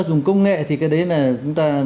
dùng công nghệ thì cái đấy là chúng ta